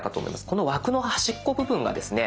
この枠の端っこ部分がですね